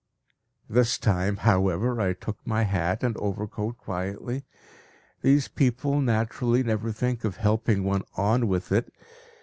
This time, however, I took my hat and overcoat quietly; these people naturally never think of helping one on with it.